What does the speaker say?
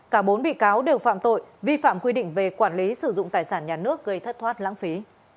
cả bốn bị cáo đều phạm tội vi phạm quy định về quản lý sử dụng tài sản nhà nước gây thất thoát lãng phí